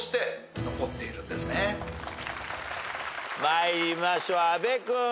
参りましょう阿部君。